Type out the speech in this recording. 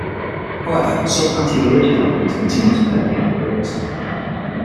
However, some anti-religious elements continue to permeate the lyrics.